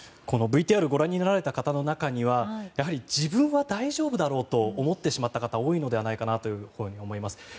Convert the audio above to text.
このＶＴＲご覧になられた方の中にはやはり自分は大丈夫だろうと思ってしまった方が多いんじゃないかなと思います。